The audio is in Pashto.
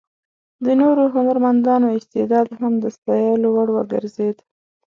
د نورو هنرمندانو استعداد هم د ستایلو وړ وګرځېد.